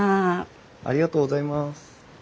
ありがとうございます。